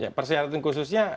ya persyaratan khususnya